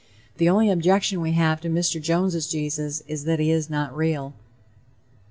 The only objection we have to Mr. Jones' Jesus is that he is not real.